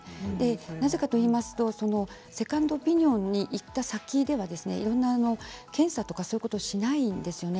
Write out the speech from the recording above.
なぜかといいますとセカンドオピニオンに行った先では、いろいろな検査とかをしないんですね。